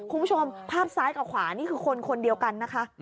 คุณผู้ชมภาพซ้ายกับขวานี่คือคนคนเดียวกันนะคะ